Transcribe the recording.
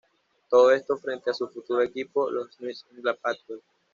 Todo esto frente a su futuro equipo; los New England Patriots.